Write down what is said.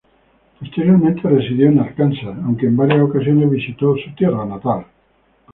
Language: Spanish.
Posteriormente residió en Arkansas, aunque en varias ocasiones visitó su tierra natal.